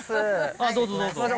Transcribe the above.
あっどうぞどうぞ。